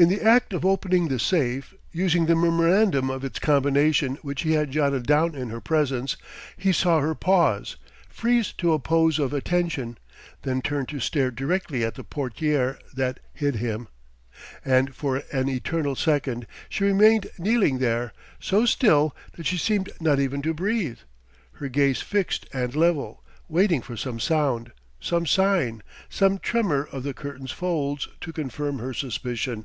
In the act of opening the safe using the memorandum of its combination which he had jotted down in her presence he saw her pause, freeze to a pose of attention, then turn to stare directly at the portière that hid him. And for an eternal second she remained kneeling there, so still that she seemed not even to breathe, her gaze fixed and level, waiting for some sound, some sign, some tremor of the curtain's folds, to confirm her suspicion.